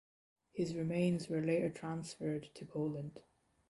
His remains were later transferred to Poland.